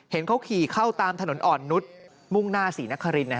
เห็นเขาขี่เข้าตามถนนอ่อนนุษย์มุ่งหน้า๔นครินทร์